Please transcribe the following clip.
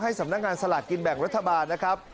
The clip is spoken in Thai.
สำนักงานสลากกินแบ่งรัฐบาลนะครับ